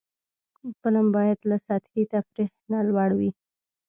فلم باید له سطحي تفریح نه لوړ وي